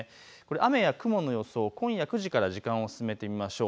雨や雲の様子を今夜９時から時間を進めてみましょう。